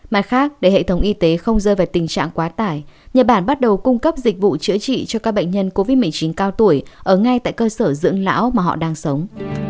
mặt khác để hệ thống y tế không rơi vào tình trạng quá tải nhật bản bắt đầu cung cấp dịch vụ chữa trị cho các bệnh nhân covid một mươi chín cao tuổi ở ngay tại cơ sở dưỡng lão mà họ đang sống